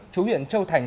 chú huyện châu thành